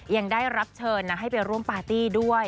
ยังได้รับเชิญนะให้ไปร่วมปาร์ตี้ด้วย